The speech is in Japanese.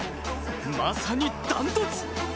まさにダントツ！